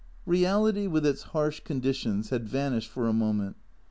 Reality with its harsh conditions had vanished for a moment.